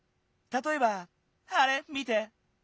たとえばあれ見て。